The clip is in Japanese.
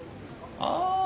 ああ